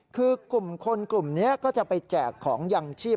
คือกลุ่มคนกลุ่มนี้ก็จะไปแจกของยังชีพ